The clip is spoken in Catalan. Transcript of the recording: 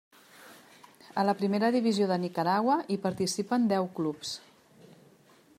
A la primera divisió de Nicaragua hi participen deu clubs.